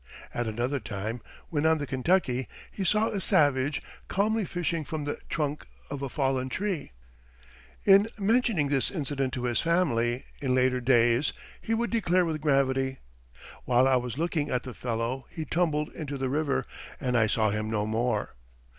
At another time, when on the Kentucky, he saw a savage calmly fishing from the trunk of a fallen tree. In mentioning this incident to his family, in later days, he would declare with gravity: "While I was looking at the fellow he tumbled into the river, and I saw him no more."